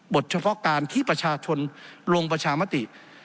เฉพาะการที่ประชาชนลงประชามติ